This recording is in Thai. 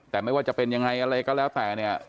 แต่ไม่ว่าจะเป็นยังไงอะไรก็แล้วแต่เนี่ย